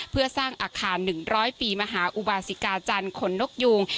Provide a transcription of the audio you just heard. เพื่อสร้างอาคาร๑๐๐ปีมหาอุบาสิกาจันทร์ขนนกยูง